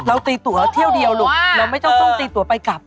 ตีตัวเที่ยวเดียวลูกเราไม่ต้องตีตัวไปกลับ